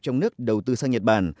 trong nước đầu tư sang nhật bản